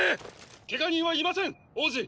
ケガ人はいません王子！！